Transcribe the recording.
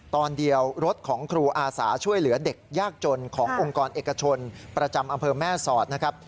ตอนเดียวรถของครูอาสาช่วยเหลือเด็กยากจนขององค์กรเอกชนประจำอำเภอแม่สอดนะครับ